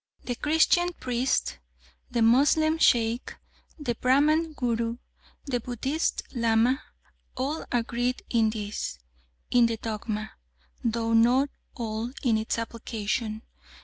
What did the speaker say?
The Christian priest, the Moslem Sheikh, the Brahman Guru, the Buddhist Lama, all are agreed in this, in the dogma, though not all in its application.